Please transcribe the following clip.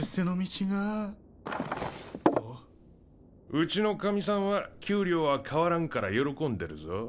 うちのかみさんは給料は変わらんから喜んでるぞ。